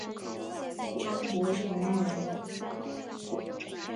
张伯淳人。